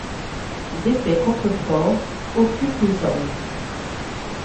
D'épais contreforts occupent les angles.